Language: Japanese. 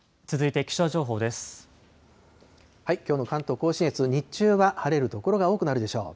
きょうの関東甲信越、日中は晴れる所が多くなるでしょう。